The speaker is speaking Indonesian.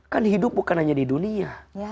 kan hidup bukan hanya di dunia